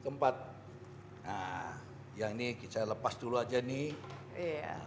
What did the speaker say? nah yang ini saya lepas dulu aja nih